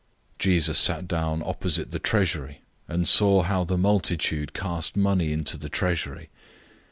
012:041 Jesus sat down opposite the treasury, and saw how the multitude cast money into the treasury.